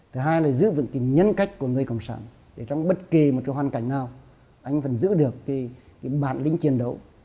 thứ hai là giữ vững cái nhân cách của người cộng sản để trong bất kỳ một cái hoàn cảnh nào anh vẫn giữ được cái bản lĩnh chiến đấu